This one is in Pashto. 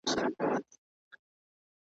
نه پنځه یو نه پنځه زره کلن یو `